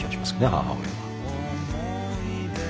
母親は。